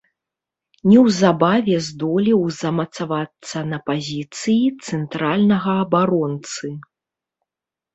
Неўзабаве здолеў замацавацца на пазіцыі цэнтральнага абаронцы.